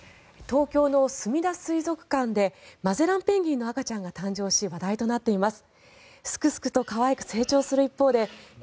東京のすみだ水族館でマゼランペンギンの赤ちゃんが誕生し、話題となっています。